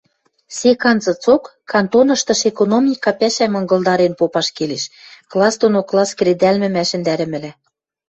Сек анзыцок кантоныштыш экономика пӓшӓм ынгылдарен попаш келеш, класс дон класс кредӓлмӹм ӓшӹндӓрӹмӹлӓ.